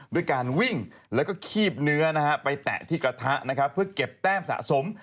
ด้วยการวิ่งแล้วก็คีบเนื้อไปแตะที่กระทะนะครับเพื่อเก็บแต้มสะสม